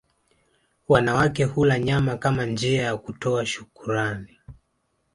Wanawake hula nyama kama njia ya kutoa shukurani